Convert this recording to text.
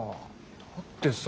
だってさ。